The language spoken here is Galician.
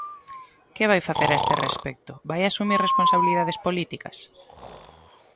¿Que vai facer a este respecto?, ¿vai asumir responsabilidades políticas?